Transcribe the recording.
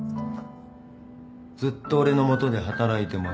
ずっと俺の下で働いてもらう。